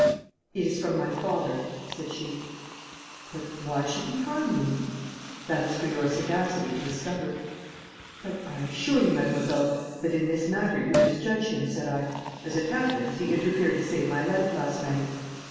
'It is from my father,' said she. 'But why should he harm me?' 'That is for your sagacity to discover.' 'But I assure you, mademoiselle, that in this matter you misjudge him,' said I. 'As it happens, he interfered to save my life last night.'